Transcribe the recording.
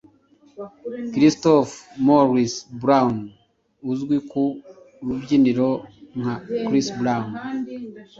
Christopher Mourice Brown uzwi ku rubyiniro nka Chris Brown